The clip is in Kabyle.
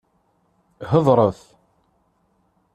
Heḍṛet!